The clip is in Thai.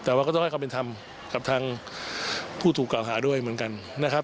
แต่ว่าก็ต้องให้ความเป็นธรรมกับทางผู้ถูกกล่าวหาด้วยเหมือนกันนะครับ